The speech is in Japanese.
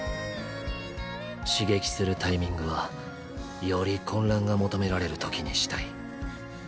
刺激するタイミングはより混乱が求められるときにしたい。